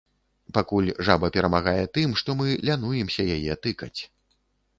Пакуль жаба перамагае тым, што мы лянуемся яе тыкаць.